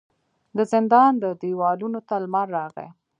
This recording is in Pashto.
د زندان و دیوالونو ته لمر راغلی